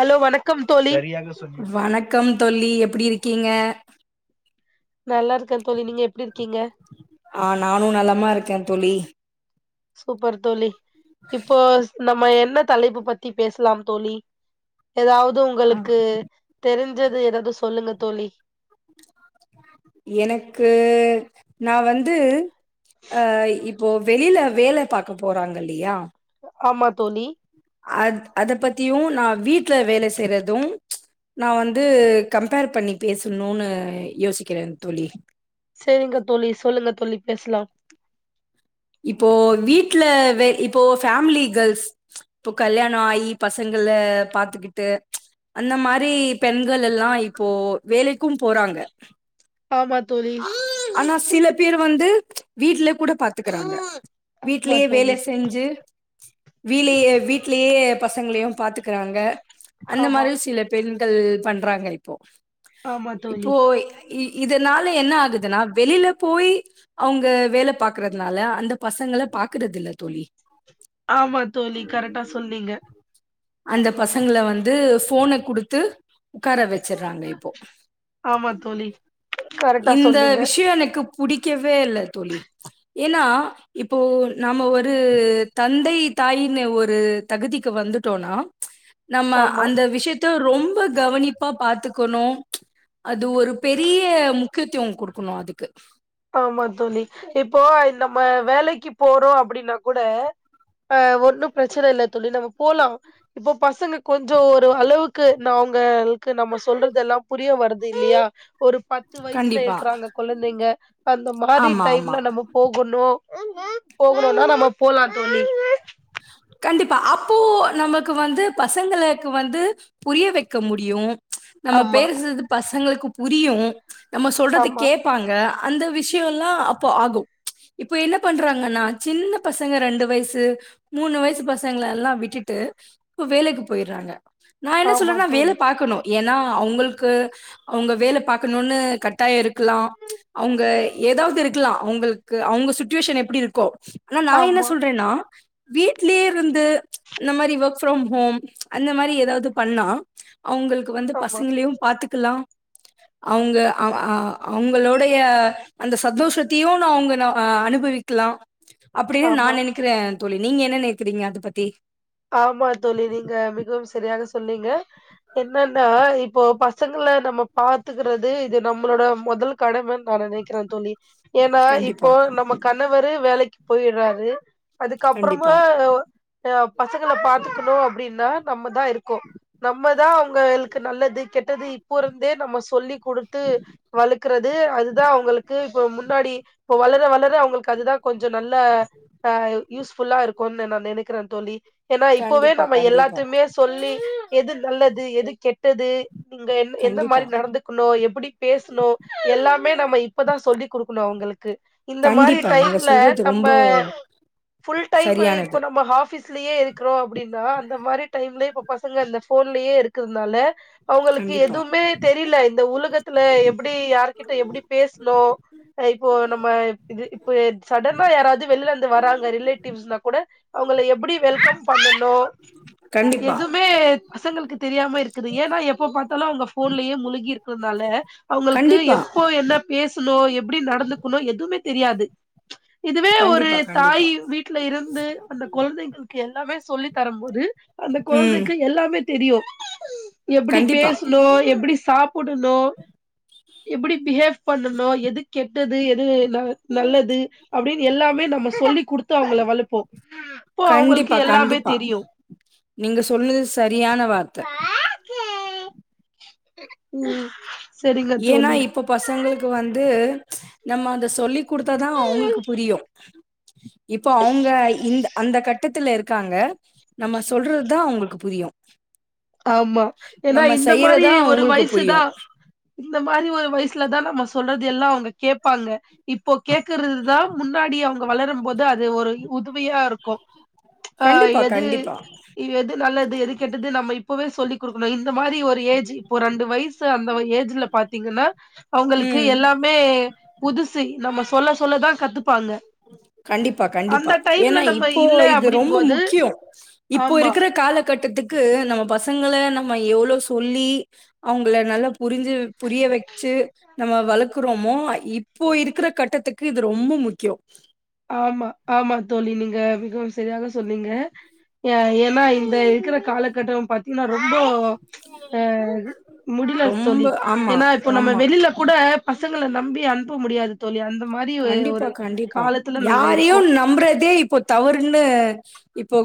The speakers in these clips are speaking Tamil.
ஹலோ வணக்கம் தோழி வணக்கம் தோழி எப்படி இருக்கீங்க நல்லா இருக்கே தோழி நீங்க எப்டி இருக்கீங்க ஆ நானு நல்லமா இருக்க‌ தோழி சூப்பர் தோழி இப்போ நம்ம என்ன தலைப்பு பத்தி பேசலாம் தோழி எதாவது ஆ உங்களுக்கு தெரிஞ்சது எதாவது சொல்லுங்க தோழி எனக்கு நா வந்து அ இப்போ வெளியில வேல பாக்க போறாங்க இல்லையா ஆமா தோழி அ அத பத்தியு நா வீட்ல வேல செய்யறது நா வந்து கம்பேர் பண்ணி பேசணுன்னு யோசிக்கிற தோழி சேரிங்க தோழி சொல்லுங்க தோழி பேசலா இப்போ வீட்ல வே இப்போ ஃபேமிலி கேர்ள்ஸ் இப்போ கல்யாணோ ஆயி பசங்கல பாத்துக்கிட்டு அந்த மாரி பெண்கள் எல்லா இப்போ வேலைக்கும் போறாங்க ஆமா தோழி ஆனா சில பேர் வந்து வீட்லே கூட பாத்துக்கறாங்க ஆமா வீட்லயே வேல தோழி செஞ்சு வீலயே வீட்லயே பசங்களையு பாத்து இருக்கறாங்க அந்த ஆமா மாரியு சில பெண்கள் பண்றாங்க இப்போ ஆமா இப்போ தோழி இதனால என்ன ஆகுதுன்னா வெளில போய் அவுங்க வேல பாக்குறதுனால அந்த பசங்கள பாக்குறது இல்ல தோழி ஆமா தோழி கரெக்ட்டா சொன்னீங்க அந்த பசங்கள வந்து ஃபோன குடுத்து உக்கார வச்சறாங்க இப்போ ஆமா தோழி கரெக்டா இந்த சொன்னீங்க விஷயோ எனக்கு புடிக்கவே இல்ல தோழி ஏன்னா இப்போ நாம ஒரு தந்தை தாயின்னு ஒரு தகுதிக்கு வந்து டோனா நம்ம ஆமா அந்த விஷயத்த ரொம்ப கவனிப்பா பாத்துக்கணு அது ஒரு பெரிய முக்கியத்துவம் குடுக்கணு அதுக்கு ஆமா தோழி இப்போ நம்ம வேலைக்கு போறோ அப்டின்னா கூட ஆ ஒன்னு பிரச்சனை இல்லை தோழி நம்ம போலா இப்போ பசங்க கொஞ்ச ஒரு அளவுக்கு நா அவங்களுக்கு நம்ம சொல்றது எல்லா புரிய வருது இல்லயா ஒரு பத்து வயசுல கண்டிப்பா. இருக்கறாங்க குழந்தைங்க அந்த மாரி ஆமா, ஆமா. டைம்ல நம்ம நம்ம போகணு போகணுனா நம்ம போலா தோழி கண்டிப்பா அப்போ நமக்கு வந்து பசங்களுக்கு வந்து புரிய வக்க முடியு நம்ம ஆமா பேசறது பசங்களுக்கு புரியு நம்ம சொல்றது ஆமா கேப்பாங்க அந்த விஷயம்ல்லா அப்போ ஆகு இப்ப என்ன பண்றாங்கன்னா சின்ன பசங்க ரெண்டு வயசு மூணு வயசு பசங்கலெல்லா விட்டுட்டு இப்ப வேலைக்கு போய்றாங்க நா என்ன ஆமா சொல்றன்னா வேல தோழி பாக்கணு ஏன்னா அவுங்களுக்கு அவுங்க வேல பாக்கணுனு கட்டாய இருக்கலா அவுங்க ஏதாவது இருக்கலா அவுங்களுக்கு அவுங்க சுட்டுவேஷன் எப்டி இருக்கோ ஆனா நா என்ன ஆமா சொல்றேன்னா வீட்லயே இருந்து அந்த மாரி ஒர்க் ஃப்ரம் ஹோம் அந்த மாரி ஏதாவது பண்ணா அவுங்களுக்கு வந்து ஆமா பசங்களயும் பாத்துக்கலா அவுங்க அ அ அவுங்களோடய அந்த சந்தோஷத்தையு நா அவுங்க நா அ அனுபவிக்கலா அப்டின்னு நா ஆமா நெனக்கிறே தோழி நீங்க என்ன நெனக்கிறீங்க அதை பத்தி ஆமா தோழி நீங்க மிகவும் சரியாக சொன்னீங்க என்னன்னா இப்போ பசங்கள நம்ம பாத்துக்கறது இது நம்மளோட மொதல் கடமன்னு நா நெனக்கிற தோழி ஏன்னா கண்டிப்பா இப்போ நம்ம கணவரு வேலைக்கு போய்றாரு அதுக்கப்புறமா கண்டிப்பா அ பசங்கள பாத்துக்கணு அப்டின்னா நம்மதா இருக்கோ நம்மதா அவுங்களுக்கு நல்லது கெட்டது இப்போருந்தே நம்ம சொல்லி குடுத்து வலுக்கறது அதுதா அவுங்களுக்கு இப்ப முன்னாடி இப்போ வளர வளர அவுங்களுக்கு அதுதா கொஞ்ச நல்ல அ யூஸ்ஃபுல்லா இருக்குனு நா நெனக்கிறே தோழி ஏன்னா இப்போவே கண்டிப்பா நம்ம கண்டிப்பா எல்லாத்தயுமே சொல்லி எது நல்லது எது கெட்டது நீங்க என் எந்த கண்டிப்பா மாதிரி நடந்து க்கணும் எப்டி பேசணு எல்லாமே நம்ம இப்பதா சொல்லிக் குடுக்கணு அவுங்களுக்கு இந்த மாரி கண்டிப்பா நீங்க டைம்ல சொல்றது நம்ம ரொம்ப ஃபுல்டைம் இப்போ சரியானது நம்ம ஹாஃபிஸ் லயே இருக்கிறோ அப்டின்னா அந்த மாரி டைம்ல இப்ப பசங்க அந்த போன்லயே இருக்றதுனால அவுங்களுக்கு கண்டிப்பா எதுவுமே தெரில இந்த உலகத்துல எப்டி யாருகிட்ட எப்டி பேசணு இப்போ நம்ம இது இப்ப சடனா யாராவது வெளியில இருந்து வராங்க ரிலேட்டிவ்ஸ்னா கூட அவுங்கள எப்டி வெல்கம் பண்ணணு கண்டிப்பா எதுமே பசங்களுக்கு தெரியாம இருக்குது ஏன்னா எப்ப பாத்தாலு அவுங்க போன்லயே முழுகி இருக்றதுனால அவுங்களுக்கு கண்டிப்பா எப்போ என்ன பேசணு எப்டி நடந்துக்கணு எதுமே தெரியாது இதுவே ஒரு கண்டிப்பா கண்டிப்பா தாய் வீட் டுல இருந்து அந்த கொழந்தைங்களுக்கு எல்லாமே சொல்லி தரும் போது அந்த ம் கொழந்தைக்கு எல்லாமே தெரியு எப்படி கண்டிப்பா பேசணு எப்டி சாப் புடணு எப்டி பிஹேவ் பண்ணணு எது கெட்டது எது நல்லது அப்டின்னு எல்லாமே நம்ம சொல்லி் குடுத்து அவங்கள வளப்போ அப்போ அவங்களுக்கு கண்டிப்பா எல்லாமே கண்டிப்பா தெரியு நீங்க சொன்னது சரியான வார்த்தை ம் சரிங்க ஏனா தோழி இப் ப பசங்களுக்கு வந்து நம்ம அத சொல்லி கொடுத்தாதான் அவங்களுக்கு புரியும் இப்போ அவங்க இந் அந்த கட்டத்துல இருக்காங்க நம்ம சொல்றது தான் அவங்களுக்கு புரியும் ஆமா ஏனா இந்த மாரி செய்யறதா ஒரு அவங்களுக்கு புரியு வயசுதான் இந்த மாரி ஒரு வயசுலதான் நம்ம சொல்றது எல்லாம் அவங்க கேப்பாங்க இப்போ கேக்குறது தான் முன்னாடி அவங்க வளரும் போது அது ஒரு உதவியா இருக்கும் ஆ கண்டிப்பா எது கண்டிப்பா எது நல்லது எது கெட்டது நம்ம இப் பவே சொல்லி குடுக்கணும் இந்த மாரி ஒரு ஏஜ் இப்போ ரெண்டு வயசு அந்த ஏஜ்ல பாத்தீங்கன்னா அவுங்களுக்கு ம் எல்லாமே புதுசு நம்ம சொல்ல சொல்லதான் கத்துப்பாங்க கண்டிப்பா கண்டிப்பா அந்த டைம்ல ஏன்னா நம்ம இப்போ இல்ல இது ரொம்ப அப்படிம்போது முக்கியம் இப்போ ஆமா இருக்கற காலகட்டத்துக் க்கு நம்ம பசங்கள நம்ம எவ்ளவு சொல்லி அவுங்கள நல்லா புரிஞ்சு புரிய வச்சு நம்ம வளக்கறோமோ இப்போ இருக்கிற கட்டத்துக்கு இது ரொம்ப முக்கியம் ஆமா ஆமா தோழி நீங்க மிகவும் சரியாக சொன்னீங்க ஏ ஏன்னா இந்த இருக்கிற காலகட்டம் பாத்தீங்கன்னா ரொம்போ ஆ முடில ரொம்ப தோழி ஆமா, ஏன்னா இப்ப நம்ம ஆமா. வெளியில கூட பசங்களை நம்பி அனுப்ப முடியாது தோழி அந்த மாதிரி கண்டிப்பா, ஒரு கண்டிப்பா. காலத்து யாரையும் நம்புறதே இப்போ தவறுன்னு இப்போ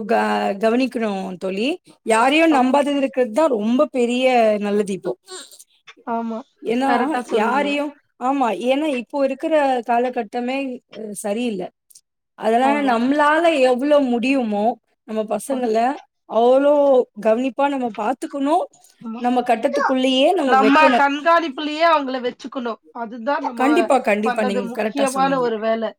கவனிக்கணும் தோழி யாரையும் ஆமா நம்பாததுக்கு தான் ரொம்ப பெரிய நல்லதிப்போ ஆமா ஏன்னா கரெக்டா சொன்னீங்க யாரையும் ஆமா ஏன்னா இப்போ இருக்கிற காலகட்டமே சரியில்ல அதெல்லாம் ஆமா நம்மளாள எவ்ளவு முடியுமோ நம்ம ஆம், பசங்கள அவளோ கவனி ப்பா நம்ம பாத்துக்கணும் ஆமா நம்ம கட்டத்துக்குள்ளயே நம்ம வைக்கணும் குள்ளயே அவங்கள வச்சுக்கணும் அதுதான் நம்ம கண்டிப்பா கண்டிப்பா பண்றது நீங்க கரெக்டா முக்கியமான சொன்னீங்க ஒரு வேலை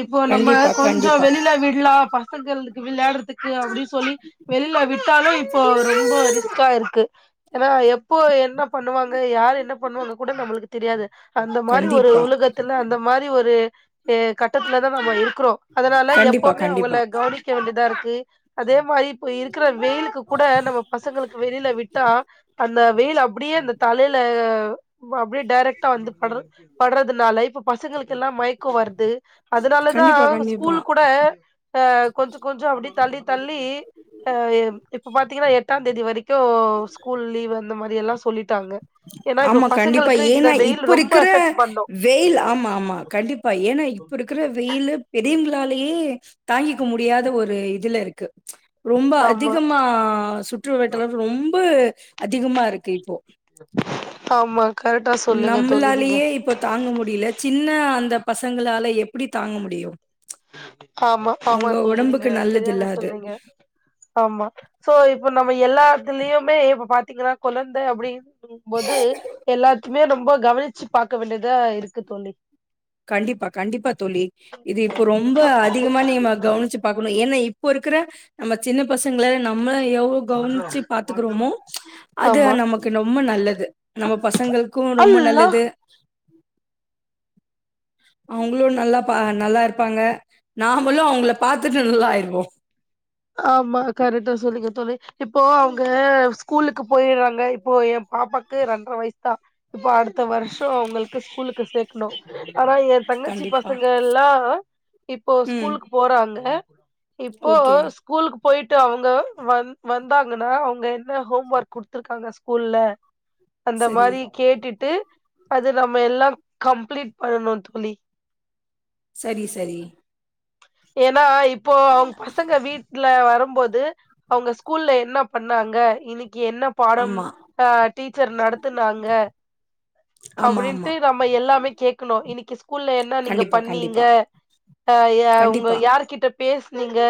இப்போ நம்ம கண்டிப்பா கொஞ்சம் கண்டிப்பா வெளியில விடலாம் ங்க வெளையாடுறதுக்கு அப்டின்னு சொல்லி வெளில விட்டாலும் இப்போ ரொம்ப ரொம்போ ரிஸ்க்கா இருக்கு ஏன்னா எப்போ என்ன பண்ணுவாங்க யாரு என்ன பண்ணுவாங்க கூட நம்மளுக்கு தெரியாது அந்த மாரி ஒரு கண்டிப்பா உலகத்துல அந்த மாரி ஒரு ஏ கட்டத்துல தான் நம்ப இருக்கிறோம் அதனால கண்டிப்பா எப்பவுமே அவங்கள கண்டிப்பா கவனி க்க வேண்டியதாருக்கு அதே மாரி இப்ப இருக்கிற வெயிலுக்கு கூட நம்ப பசங்களுக்கு வெளியில விட்டா அந்த வெயில் அப்டியே அந்த தலையில அப்டியே டேரக்டா வந்து படுற படுறதுனால இப்ப பசங்களுக்கெல்லாம் மயக்கம் வருது கண்டிப்பா அதனாலதான் கண்டிப்பா ஸ்கூல்கு கூட அ கொஞ்சம் கொஞ்சம் அப்டியே தள்ளி தள்ளி அ இப்ப பாத்தீங்கன்னா எ தேதி வரைக்கும் ஸ்கூல் லீவ் அந்த மாரி எல்லாம் சொல்லி ட்டாங்க ஏன்னா இப்ப ஆமா, கண்டிப்பா. பசங்களுக்கு இந்த ஏன்னா, வெயில் இப்ப ரொம்ப இருக்கிற எஃபெக்ட் பண்ணும் வெயில் ஆமா ஆமா கண்டிப்பா ஏன்னா இப்ப இருக்கற வெயில் பெரியவங்களாலேயே தாங்கிக்க முடியாத ஒரு இதுல இருக்கு ரொம்ப ஆமா அதிகமா சுற்று வட்டாரலாம் ரொம்ப அதிகமா இருக்கு இப்போ ஆமா கரெக்டா சொன்னிங்க தோழி நீங்க நம்மளாலேயே இப்போ தாங்க முடில சின்ன அந்த பசங்களால எப்படி தாங்க முடியு ஆமா ஆமா தோழி நீங்க சரியாதானா நல்லதில்ல அது. சொல்ரீங்க ஆமா சோ இப்ப நம்ம எல்லாத்துலயுமே இப்ப பாத்தீங்கன்னா கொழந்த அப்படின் ன்னு போது எல்லாத்தையுமே ரொம்ப கவனிச்சு பாக்க வேண்டியதா இருக்கு தோழி கண்டிப்பா கண்டிப்பா தோழி இது இப்ப ரொம்ப அதிகமானிங்க கவனிச்சு பாக்கணு ஏன்னா இப்போ இருக்குற நம்ம சின்ன பசங்க நம்மள எவ்வளவு கவுனிச்சு பாத்துக்கிறோமோ அது ஆமா நமக்கு ரொம்ப நல்லது நம்ம பசங்களுக்கு ரொம்ப அல்லா நல்லது அவுங்களு நல்லா பா நல்லா இருப்பாங்க நாமளு அவுங்கள பாத்துட்டு நல்லாயிருவோ ஆமா கரெக்டா சொன்னிங்க தோழி இப்போ அவுங்க ஸ்கூலுக்கு போயிறாங்க இப்போ என் பாப்பாக்கு ரெண்ர வயசு தா இப்போ அடுத்த வருஷோ அவுங்களுக்கு ஸ்கூலுக்கு சேக் க்னு ஆனா என் தங்கச்சி கண்டிப்பா. பசங்க எல்லா இப்போ ம். ஸ்கூலுக்கு போறாங்க இப்போ ஓகே. ஸ்கூ ஸ்கூலுக்கு போயிட்டு அவுங்க வந் வந்தாங்கன்னா அவங்க என்ன ஹோம்ஒர்க் குடுத்துருக்காங்க ஸ்கூல்ல அந்த சரி, மாதிரி கேட்டுட்டு அது நம்ம எல்லா கம்ப்ளீட் பண்ணணு தோழி சேரி சேரி ஏன்னா இப்போ அவுங்க பசங்க வீட்டுல வருபோது அவுங்க ஸ்கூல்ல என்ன பண்ணாங்க இன்னிக்கு என்ன பாடம் ஆமா, அஹ் டீச்சர் நடத்துனாங்க ஆமா, ஆமா. அப்படின்ட்டு நம்ம எல்லாமே கேக்கணு இன்னைக்கு ஸ்கூல்ல என்ன நீங்க கண்டிப்பா, பண்ணீங்க கண்டிப்பா, ஆ யா உ கண்டிப்பா, யார்கிட்ட பேசுனீங்க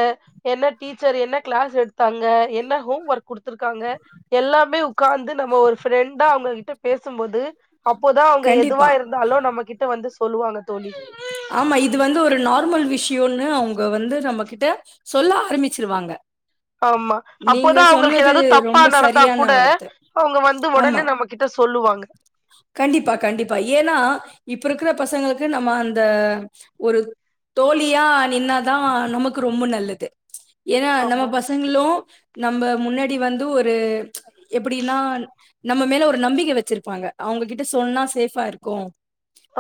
என்ன டீச்சர் என்ன கிளாஸ் எடுத்து தாங்க என்ன ஹோம் ஒர்க் குடுத்துருக்காங்க எல்லாமே உட்காந்து நம்ம ஒரு ஃப்ரெண்டா அவங்ககிட்ட பேசும்போது அப்போதா அவங்க எதுவா இருந்தாலு நம்ம கிட்ட வந்து சொல்லுவாங்க தோழி ஓ ஆமா இது வந்து ஒரு நார்மல் விஷயோமனு அவுங்க வந்து நம்ம கிட்ட சொல்ல ஆரம்பிச்சிருவாங்க ஆமா அப்போதா அவுங்களுக்கு ஏதாவது தப்பா ரொம்ப நடந்தா சரியான கூட வார்த்தை. அவுங்க வந்து ஆமா. உடனே நம்மகிட்ட சொல்லுவாங்க கண்டிப்பா கண்டிப்பா ஏனா இப்ப இருக்குற பசங்க ளுக்கு நம்ம அந்த ஒரு தோழியா நின்னா தா நமக்கு ரொம்ப நல்லது ஏனா நம்ம ஆமா பஸ் ங்களு நம்ம முன்னாடி வந்து ஒரு எப்டின்னா நம்ம மேல ஒரு நம்பிக்கை வச்சுருப்பாங்க அவுங்ககிட்ட சொன்னா சேஃபா இருக்கு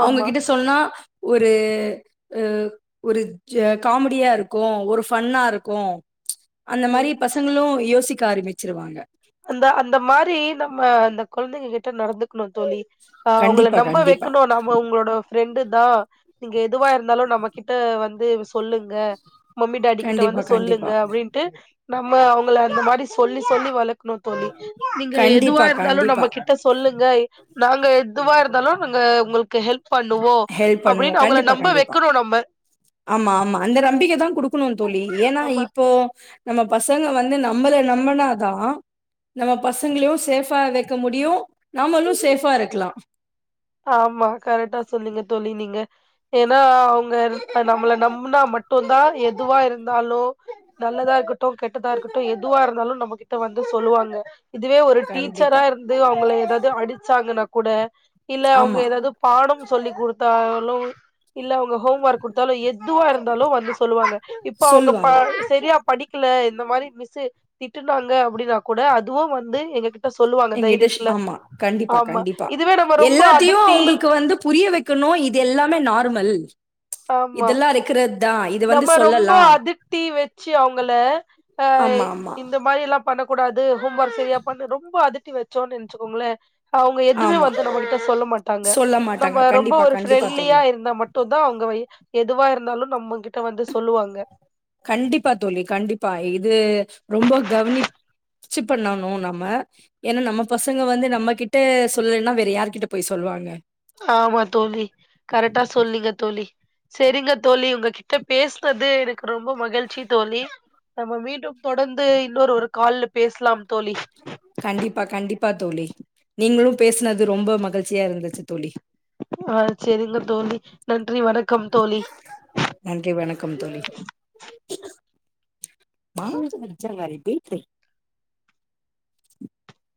ஆமா அவங்ககிட்ட சொன்னா ஒரு அ ஒரு காமெடியா இருக்கு ஒரு ஃபன்னா இருக்கு அந்த மாரி ம் பசங்களு யோசிக்க ஆரம்பிச்சிருவாங்க அந்த அந்த மாரி நம்ம அந்த கொழந்தைங்க கிட்ட நடந்துக்கணு தோழி ஆ அவுங்கள கண்டிப்பா, நம்ப கண்டிப்பா. வக்கணு நம்ம நம்ம உங்களோட ஃப்ரெண்டு தா நீங்க எதுவா இருந்தாலு நம்மகிட்ட வந்து சொல்லுங்க மம்மி டாடி கிட்ட வந்து கண்டிப்பா, சொல்லுங்க கண்டிப்பா. அப்டின்ட்டு நம்ம அவங்கள அந்த மாரி சொல்லி சொல்லி வளத் தோழி நீங்க எதுவா கண்டிப்பா, இருந்தாலு நம்ம கண்டிப்பா. கிட்ட ட்ட சொல்லுங்க நாங்க எதுவா இருந்தாலு நாங்க உங்களுக்கு ஹெல்ப் பண்ணுவோ ஹெல்ப் பண்ணுவோம். அப்டின்னு அவுங்கள கண்டிப்பா, நம்ப கண்டிப்பா. வக்கணு நம்ம ஆமா ஆமா அந்த நம்பிக்க தா குடுக்கணு தோழி ஏன்னா ஆமா இப்போ நம்ம பசங்க வந்து நம்மள நம்புனாதா நம்ம பசங்களையு சேஃபா வெக்க முடியு நாமளு சேஃபா இருக்கலா ஆமா கரெட்டா சொன்னீங்க தோழி நீங்க ஏனா அவுங்க இப்ப நம்மள நம்புனா மட்டுந்தா எதுவா இருந்தாலு நல்லதா இருக்கட்டு கெட்டதா இருக்கட்டு எதுவா இருந்தாலு நம்மகிட்ட வந்து சொல்லுவாங்க இதுவே ஒரு டீச்சரா கண்டிப்பா. இருந்து அவுங்கள எதாவுது அடிச்சாங்கன்னா கூட இல்ல அவுங்க ஆமா. எதாவுது பாடம் சொல்லி குடுத்தாலு இல்ல அவுங்க ஹோம் ஒர்க் குடுத்தாலு எதுவா இருந்தாலு வந்து சொல்லுவாங்க இப்ப அவுங்க பா சொல்லுவாங்க. செரியா படிக்கல இந்த மாரி மிஸ்சு திட்டுனாங்க அப்டின்னா கூட அதுவு வந்து எங்ககிட் ட சொல்லுவாங்க எங்கிட்ட ஷ் தைரியத்துல ஆமா கண்டிப்பா ஆமா இதுவே நம்ம ரொம்போ அதட்டி இப்ப வந்து புரிய வெக்கணு இது எல்லாமே நார்மல் ஆமா இதெல்லாம் இருக்கிறது தான். இது வந்து நம்ம ரொம்போ சொல்லலாம். அதிட்டி வெச்சு அவுங்கள ஆ ஆமா, ஆமா, இந்த மாரியெல்லா பண்ணக்கூடாது ஹோம் ஒர்க் செரியாப்பண்ணு ரொம்ப அதட்டி வெச்சோன் நெனச்சிக்கோங்களே அவுங்க எதுவுமே ஆமா. வந்து நம்மகிட்ட சொல்ல மாட்டாங்க சொல்ல மாட்டாங்க. நம்ம ரொம்ப கண்டிப்பா, ஒரு கண்டிப்பா ஃப்ரெண்ட்லியா தோழி. இருந்தா மட்டுந்தா அவுங்க வை எதுவா இருந்தாலு நம்ம கிட்ட வந்து சொல்லுவாங்க கண்டிப்பா தோழி கண்டிப்பா இது ரொம்போ கவனிப் ச்சி பண்ணணு நாம ஏனா நம்ம பசங்க வந்து நம்ம கிட்ட சொல்லலேன்னா வேற யாருகிட்ட போய் சொல்லுவாங்க ஆமா தோழி கரெக்டா சொன்னிங்க தோழி சேரிங்க தோழி உங்ககிட்ட பேசுனது எனக்கு ரொம்ப மகிழ்ச்சி தோழி நம்ம மீண்டும் தொடர்ந்து இன்னொரு ஒரு கால்ல பேசலாம் தோழி கண்டிப்பா கண்டிப்பா தோழி நீங்களு பேசுனது ரொம்ப மகிழ்ச்சியா இருந்துச்சு தோழி அ சேரிங்க தோழி நன்றி வணக்கம் தோழி நன்றி வணக்கம் தோழி மாமா [unintelligible] மச்சங்காரி பேட்ரி [inaudible]